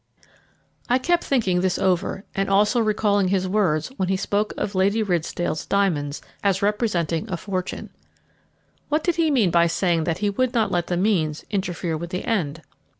I kept thinking over this, and also recalling his words when he spoke of Lady Ridsdale's diamonds as representing a fortune. What did he mean by saying that he would not let the means interfere with the end?